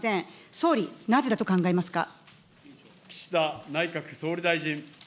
総理、なぜだと考えますか。